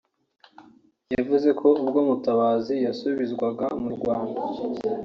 bavuze ko ubwo Mutabazi yasubizwaga mu Rwanda